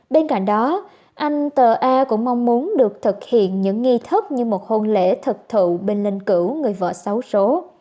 bên cạnh đó anh tờ a cũng mong muốn được thực hiện những nghi thức như một hôn lễ thực thụ bên linh cửu người vợ xấu xố